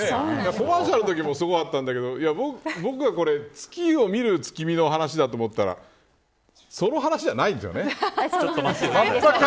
コマーシャルのときもすごかったんだけど僕はこれ月を見る月見の話だと思ったらその話ではないんですよね。